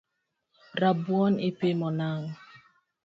Rabuon ipimo nang’o?